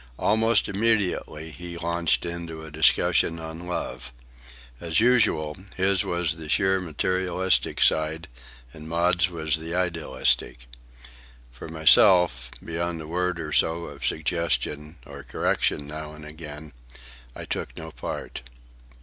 Almost immediately he launched into a discussion on love. As usual, his was the sheer materialistic side, and Maud's was the idealistic. For myself, beyond a word or so of suggestion or correction now and again, I took no part.